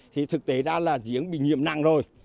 thì thực tế ra là giếng bị nhiễm nặng rồi